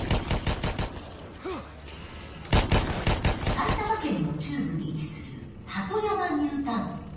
埼玉県の中部に位置する鳩山ニュータウン。